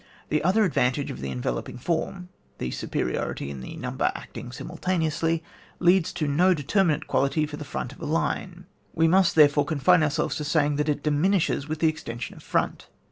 The other advantage of the en veloping form (the superiority in the number acting simultaneously) leads to no determinate quantity for the fi*ont of a line ; we must therefore confine our selves to saying that it diminishes with the extension of front.